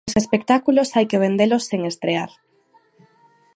Os espectáculos hai que vendelos sen estrear.